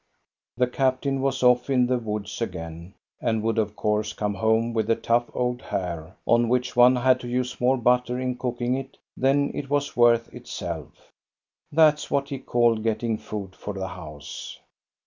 The captain was off in the woods again, and would of course come home with a tough old hare, on which one had to use more butter in cooking it than it was worth itself. That 's what he called getting food for the house.